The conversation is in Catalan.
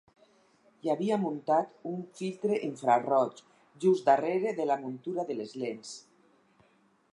Hi havia muntat un filtre infraroig just darrere de la muntura de les lents.